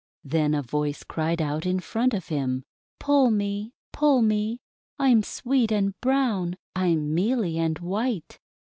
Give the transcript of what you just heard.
Then a voice cried out in front of him: <:<Pull me! Pull me! I'm sweet and brown! I'm mealy and white!